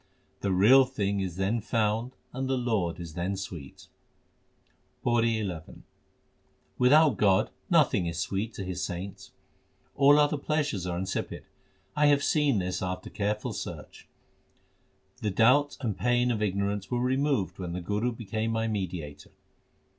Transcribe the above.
The real thing is then found and the Lord is then sweet. PAURI XI Without God nothing is sweet to His saints : All other pleasures are insipid : I have seen this after careful search. The doubt and pain of ignorance were removed when the Guru became my mediator.